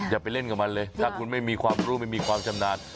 อย่าไปเล่นกับมันเลยถ้าคุณไม่มีความรู้ไม่มีความชำนาญ